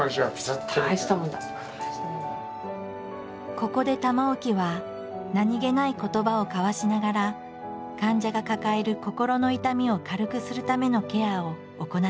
ここで玉置は何気ない言葉を交わしながら患者が抱える心の痛みを軽くするためのケアを行っている。